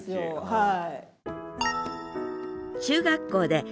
はい。